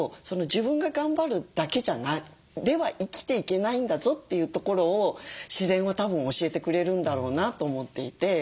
自分が頑張るだけでは生きていけないんだぞっていうところを自然はたぶん教えてくれるんだろうなと思っていて。